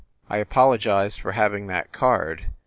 I apologize for hav ing that card.